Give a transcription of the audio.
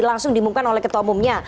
langsung diumumkan oleh ketua umumnya